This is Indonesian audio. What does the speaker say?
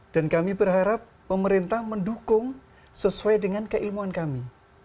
dan kami berharap pemerintah mendukung sesuai dengan keilmuan kami